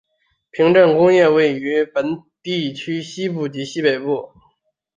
平镇工业区位于本地区西部及西北部。